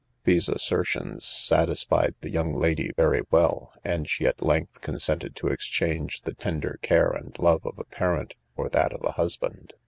These assertions satisfied the young lady very well, and she at length consented to exchange the tender care and love of a parent for that of a husband.